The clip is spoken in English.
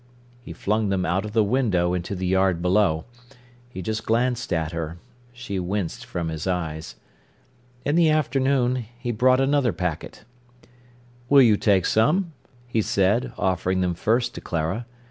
He flung them out of the window into the yard below. He just glanced at her. She winced from his eyes. In the afternoon he brought another packet. "Will you take some?" he said, offering them first to Clara.